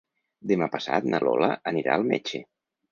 Demà passat na Lola anirà al metge.